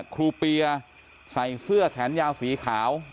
เปียใส่เสื้อแขนยาวสีขาว